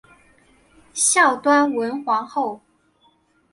孝端文皇后。